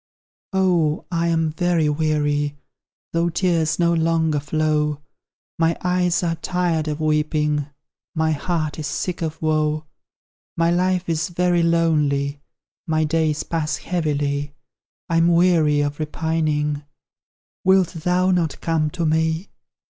Oh, I am very weary, Though tears no longer flow; My eyes are tired of weeping, My heart is sick of woe; My life is very lonely My days pass heavily, I'm weary of repining; Wilt thou not come to me?